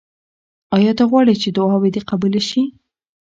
آیا ته غواړې چې دعاوې دې قبولې شي؟